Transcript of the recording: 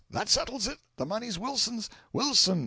"That settles it the money's Wilson's! Wilson!